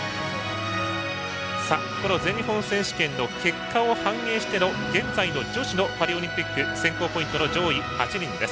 この全日本選手権の結果を反映しての現在の女子のパリオリンピック選考ポイントの上位８人です。